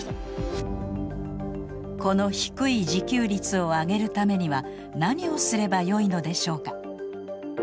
この低い自給率を上げるためには何をすればよいのでしょうか？